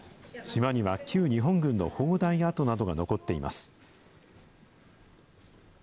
島には旧日本軍の砲台跡などが残っています。